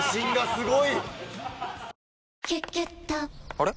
あれ？